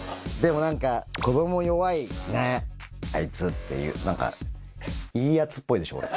でもなんか、子ども弱いなぁ、あいつっていう、なんか、いいやつっぽいでしょ？